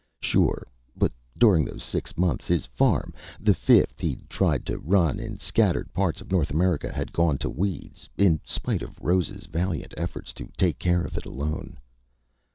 Sure but during those six months his farm, the fifth he'd tried to run in scattered parts of North America, had gone to weeds in spite of Rose's valiant efforts to take care of it alone....